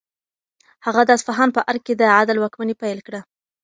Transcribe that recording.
هغه د اصفهان په ارګ کې د عدل واکمني پیل کړه.